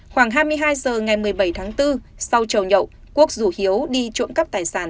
khoảng hai mươi hai giờ ngày một mươi bảy tháng bốn sau trầu nhậu quốc rủ hiếu đi trộm cắp tài sản